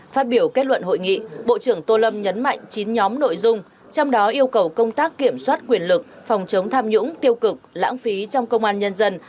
phát biểu kết luận hội nghị bộ trưởng tô lâm nhấn mạnh chín nhóm nội dung trong đó yêu cầu công tác kiểm soát quyền lực phòng chống tham nhũng tiêu cực lãng phí trong công an nhân dân